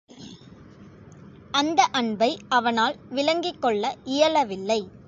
அந்த அன்பை அவனால் விளங்கிக் கொள்ள இயல வில்லை.